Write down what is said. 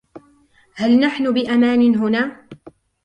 هل نحن بأمان هنا؟